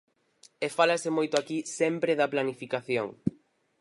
E fálase moito aquí sempre da planificación.